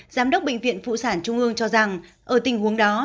giám đốc bệnh viện phụ sản trung ương cho rằng ở tình huống đó